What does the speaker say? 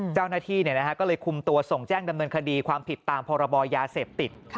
เจ้าหน้าที่ก็เลยคุมตัวส่งแจ้งดำเนินคดีความผิดตามพรบยาเสพติด